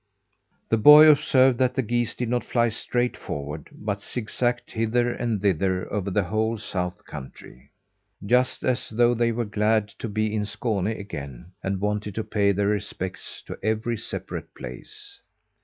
The boy observed that the geese did not fly straight forward; but zigzagged hither and thither over the whole South country, just as though they were glad to be in Skåne again and wanted to pay their respects to every separate place.